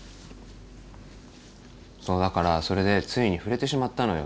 そうだからそれでついに触れてしまったのよ。